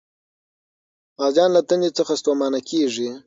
غازيان له تندې څخه ستومانه کېږي.